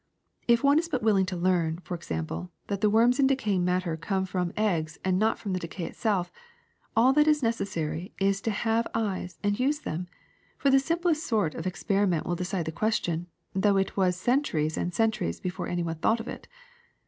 ^'If one is but willing to learn, for example, that the worms in decaying matter come from eggs and not from the decay itself, all that is necessary is to have eyes and use them ; for the simplest sort of ex periment will decide the question, though it was cen turies and centuries before any one thought of it.